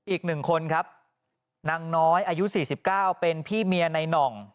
อีก๑คนครับนางน้อยอายุ๔๙เป็นพี่เมียในหน่อง